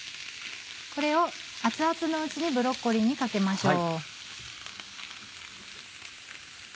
これを熱々のうちにブロッコリーにかけましょう。